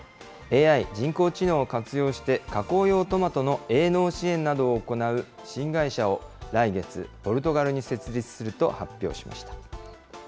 ＡＩ・人工知能を活用して、加工用トマトの営農支援などを行う新会社を来月、ポルトガルに設立すると発表しました。